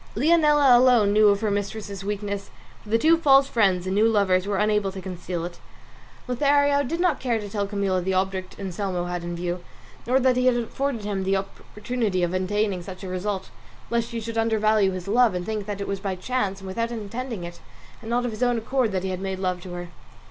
Leonela alone knew of her mistress's weakness, for the two false friends and new lovers were unable to conceal it. Lothario did not care to tell Camilla the object Anselmo had in view, nor that he had afforded him the opportunity of attaining such a result, lest she should undervalue his love and think that it was by chance and without intending it and not of his own accord that he had made love to her.